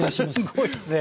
すっごいっすね。